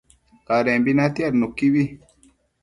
adembi natiad nuquibi